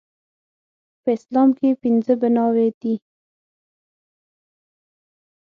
په اسلام کې پنځه بناوې دي